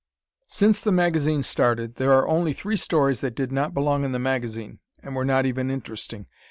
Since the magazine started, there are only three stories that did not belong in the magazine, and were not even interesting.